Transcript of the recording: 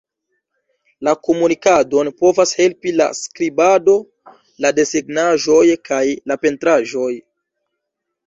La komunikadon povas helpi la skribado, la desegnaĵoj kaj la pentraĵoj.